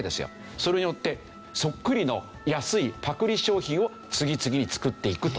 それによってそっくりの安いパクリ商品を次々に作っていくと。